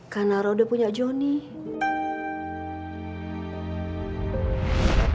karena ro udah punya jonny